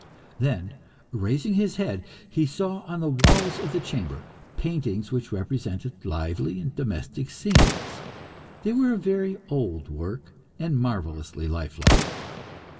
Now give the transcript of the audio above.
Then, raising his head, he saw, on the walls of the chamber, paintings which represented lively and domestic scenes. They were of very old work, and marvellously lifelike.